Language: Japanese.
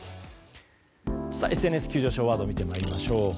ＳＮＳ急上昇ワード見ていきましょう。